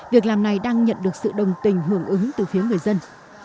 việc làm này đang nhận được sự đồng tình hưởng ứng từ phía người dân